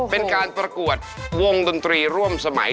เป็นการประกวดวงดนตรีร่วมสมัย